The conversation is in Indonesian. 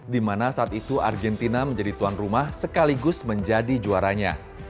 di mana saat itu argentina menjadi tuan rumah sekaligus menjadi juaranya